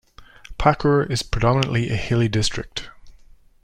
Pakur is predominantly a hilly district.